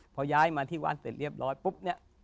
พอย้ายมาที่วัดเสร็จเรียบร้อยปุ๊บเนี่ย